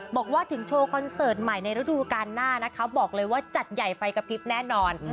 บอกว่าถึงโชว์คอนเสิร์ตใหม่ในฤดูการหน้านะคะบอกเลยว่าจัดใหญ่ไฟกระพริบแน่นอน